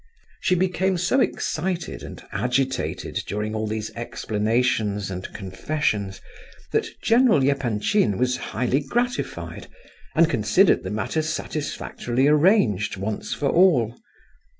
She became so excited and agitated during all these explanations and confessions that General Epanchin was highly gratified, and considered the matter satisfactorily arranged once for all.